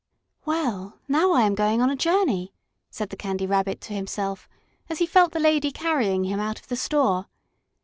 "Well, now I am going on a journey," said the Candy Rabbit to himself, as he felt the lady carrying him out of the store.